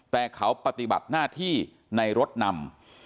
แต่เขาปฏิบัติหน้าที่ในรถนำ